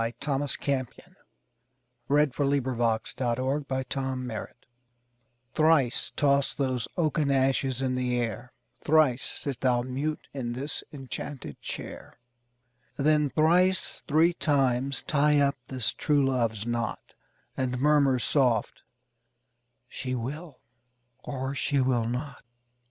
Thomas Campion Thrice Toss Those Oaken Ashes in the Air THRICE toss those oaken ashes in the air; Thrice sit thou mute in this enchanted chair; Then thrice three times tie up this true love's knot, And murmur soft: "She will, or she will not."